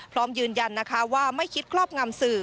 พร้อมยืนยันนะคะว่าไม่คิดครอบงำสื่อ